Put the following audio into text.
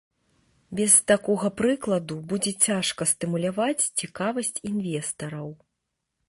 Без такога прыкладу будзе цяжка стымуляваць цікавасць інвестараў.